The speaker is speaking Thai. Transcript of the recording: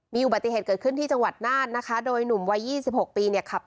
มีอุบัติเหตุเกิดขึ้นที่จังหวัดน่านนะคะโดยหนุ่มวัย๒๖ปีเนี่ยขับ